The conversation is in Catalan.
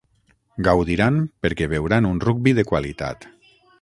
Gaudiran perquè veuran un rugbi de qualitat.